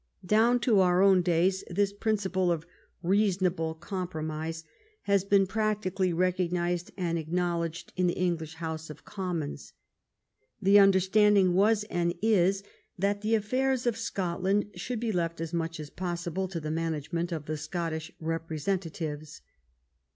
Down to our own days this prin ciple of reasonable compromise has been practically recognized and acknowledged in the English House of Commons. The understanding was and is that the affairs of Scotland should be left as much as possible to the management of the Scottish representatives.